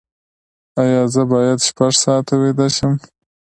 ایا زه باید شپږ ساعته ویده شم؟